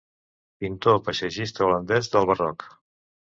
Pintor paisatgista holandès del barroc.